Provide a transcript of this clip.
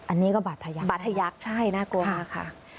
อันนี้ก็บาดทยักษ์บาดทะยักใช่น่ากลัวมากค่ะ